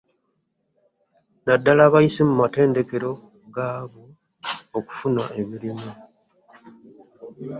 Naddala abayise mu matendekero gaabwo okufuna emirimu.